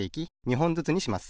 ほんずつにします。